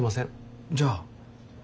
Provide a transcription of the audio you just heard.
じゃあ？